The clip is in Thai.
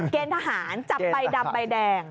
เกณฑ์ทหารจับใบดำใบแดง